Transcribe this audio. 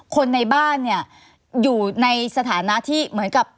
คนในบ้านเนี่ยอยู่ในสถานะที่เหมือนกับ